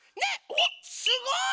おっすごい！